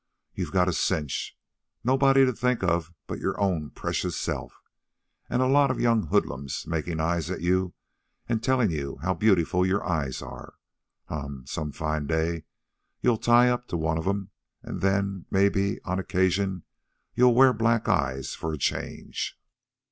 You've got a cinch nobody to think of but your own precious self an' a lot of young hoodlums makin' eyes at you an' tellin' you how beautiful your eyes are. Huh! Some fine day you'll tie up to one of 'em, an' then, mebbe, on occasion, you'll wear black eyes for a change."